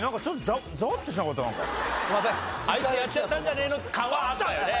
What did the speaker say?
あいつやっちゃったんじゃねえの感はあったよね。